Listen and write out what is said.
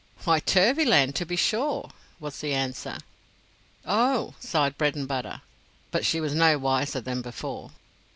"Why, Turvyland, to be sure," was the answer. "Oh!" sighed Bredenbutta; but she was no wiser than before.